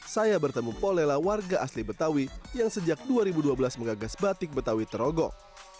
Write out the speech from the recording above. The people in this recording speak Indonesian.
saya bertemu paul lela warga asli betawi yang sejak dua ribu dua belas mengagas batik betawi trogong